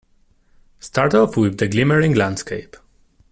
Start off with the glimmering landscape.